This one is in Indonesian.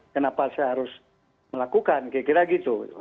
kenapa saya harus melakukan kira kira gitu